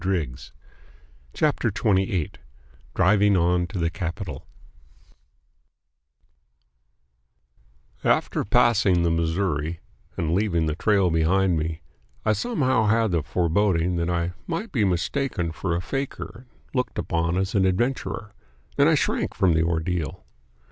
] CHAPTER TWENTY EIGHT DRIVING ON TO THE CAPITAL AFTER passing the Missouri, and leaving the trail behind me, I somehow had a foreboding that I might be mistaken for a faker and looked upon as an adventurer, and I shrank from the ordeal.